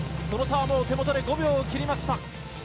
その差はもう手元で５秒を切りました。